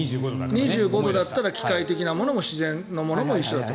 ２５度だったら機械的なものも自然のものも一緒だと。